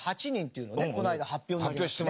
この間発表になりましたね。